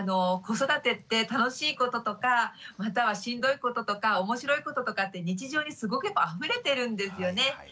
子育てって楽しいこととかまたはしんどいこととか面白いこととかって日常にすごくあふれてるんですよね。